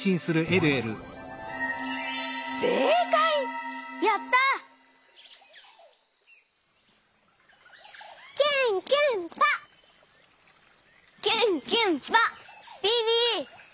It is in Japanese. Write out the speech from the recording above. ビビ！